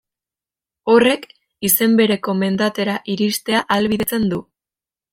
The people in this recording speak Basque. Horrek izen bereko mendatera iristea ahalbidetzen du.